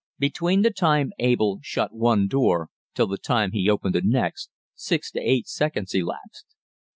Between the time Abel shut one door till the time he opened the next, six to eight seconds elapsed.